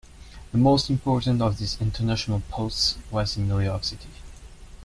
The most important of these international posts was in New York City.